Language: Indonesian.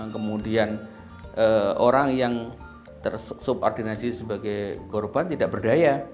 kemudian orang yang ter subordinasi sebagai korban tidak berdaya